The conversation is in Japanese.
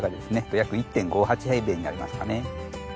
約１．５８平米になりますかね。